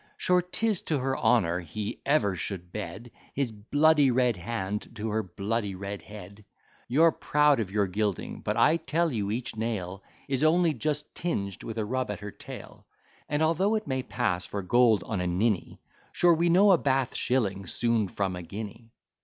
Sure 'tis to her honour, he ever should bed His bloody red hand to her bloody red head. You're proud of your gilding; but I tell you each nail Is only just tinged with a rub at her tail; And although it may pass for gold on a ninny, Sure we know a Bath shilling soon from a guinea.